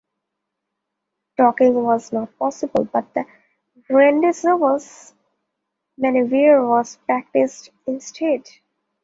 Docking was not possible, but the rendezvous maneuver was practiced instead.